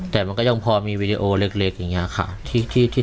แต่มันก็ยังพอมีวีดีโอเล็กอย่างนี้ค่ะที่ถ่ายไม่ได้